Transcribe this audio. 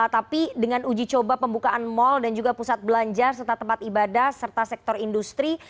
tapi dengan uji coba pembukaan mal dan juga pusat belanja serta tempat ibadah serta sektor industri